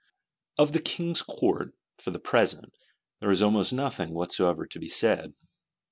Of the King's Court, for the present, there is almost nothing whatever to be said.